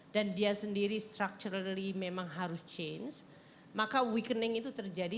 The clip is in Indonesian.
dia sendiri structurally memang harus change maka wekening itu terjadi